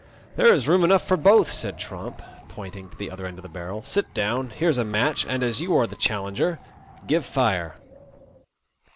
" There is room enough for both," said Tromp, pointing to the other end of the barrel. Sit down. Here's a match, and, as you are the challenger, give fire."